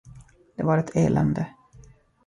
Det var ett elände.